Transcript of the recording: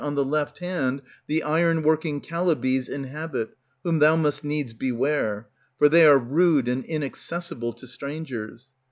On the left hand the iron working Chalybes inhabit, whom thou must needs beware, For they are rude and inaccessible to strangers.